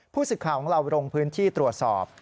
สิทธิ์ข่าวของเราลงพื้นที่ตรวจสอบ